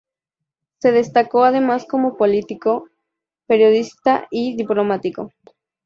Se destacó además como político, periodista y diplomático.